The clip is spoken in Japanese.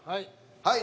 はい。